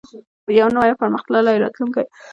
یو نوی او پرمختللی راتلونکی.